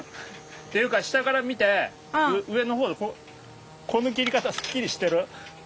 っていうか下から見て上の方この切り方すっきりしてる？